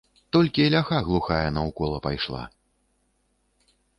Толькі ляха глухая наўкола пайшла.